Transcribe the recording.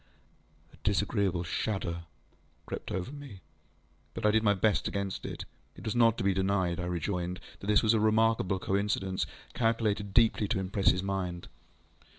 ŌĆØ A disagreeable shudder crept over me, but I did my best against it. It was not to be denied, I rejoined, that this was a remarkable coincidence, calculated deeply to impress his mind.